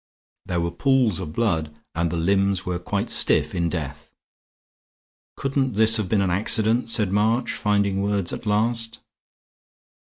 There were pools of blood and the limbs were quite stiff in death. "Couldn't this have been an accident?" said March, finding words at last.